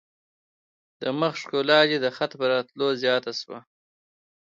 د مخ ښکلا دي د خط په راتلو زیاته شوه.